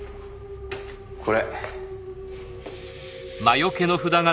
これ。